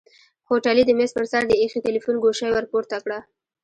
هوټلي د مېز پر سر د ايښي تليفون ګوشۍ ورپورته کړه.